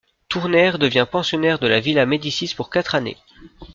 Tournaire devient pensionnaire de la Villa Médicis pour quatre années.